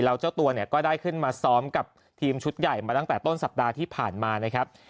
แล้วเจ้าตัวเนี่ยก็ได้ขึ้นมาซ้อมกับทีมชุดใหญ่มาตั้งแต่ต้นสัปดาห์ที่ผ่านมานะครับ